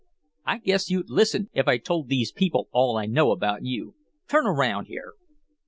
I guess you'd listen if I told these people all I know about you. Turn around here."